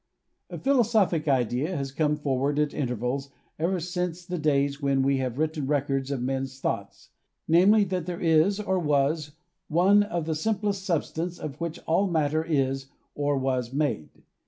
A philosophic idea has come forward at intervals ever since the days when we have written records of men's thoughts — namely, that there is, or was, one, the simplest substance of which all matter is, or was, made.